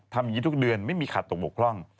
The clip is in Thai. ทำอย่างนี้ทุกเดือนไม่มีขัดตกบกพร่อง